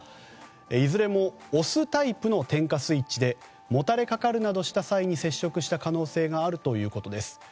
いずれも押すタイプの点火スイッチでもたれかかるなどした際に接触した可能性があるということです。